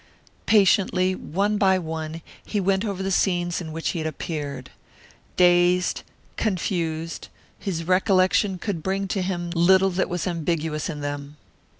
Patiently, one by one, he went over the scenes in which he had appeared. Dazed, confused, his recollection could bring to him little that was ambiguous in them.